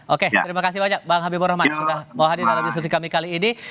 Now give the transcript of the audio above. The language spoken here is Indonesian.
oke terima kasih banyak bang habibur rahman sudah menghadirkan di sisi kami kali ini